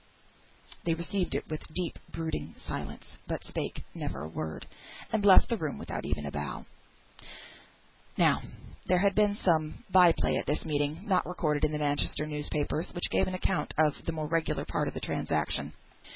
They received it with deep brooding silence, but spake never a word, and left the room without even a bow. Now there had been some by play at this meeting, not recorded in the Manchester newspapers, which gave an account of the more regular part of the transaction.